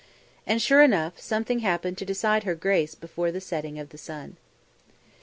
And, sure enough, something happened to decide her grace before the setting of the sun.